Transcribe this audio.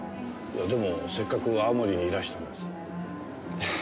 でもせっかく青森にいらしたんだし。